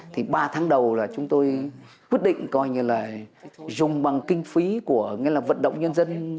thì ba tháng đầu là chúng tôi quyết định dùng bằng kinh phí của vận động nhân dân